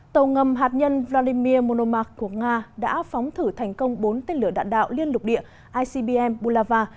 tàu ngầm hạt nhân vladimir monoma của nga đã phóng thử thành công bốn tên lửa đạn đạo liên lục địa icbm bulava